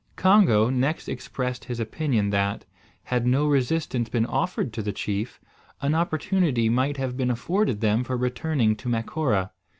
Congo next expressed his opinion that, had no resistance been offered to the chief, an opportunity might have been afforded them for returning to Macora.